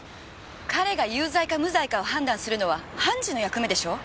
彼が有罪か無罪かを判断するのは判事の役目でしょ？